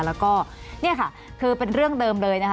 แล้วก็เนี่ยค่ะคือเป็นเรื่องเดิมเลยนะคะ